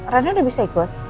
rena udah bisa ikut